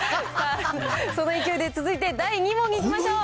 その勢いで、続いて第２問にいきましょう。